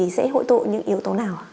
sẽ hội tụ như thế nào